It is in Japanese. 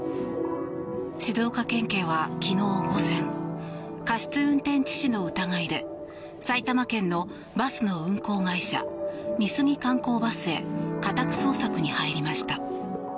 静岡県警は昨日午前過失運転致死の疑いで埼玉県のバスの運行会社美杉観光バスへ家宅捜索に入りました。